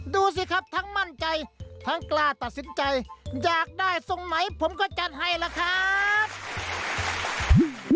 ดูสิครับทั้งมั่นใจทั้งกล้าตัดสินใจอยากได้ทรงไหมผมก็จัดให้ล่ะครับ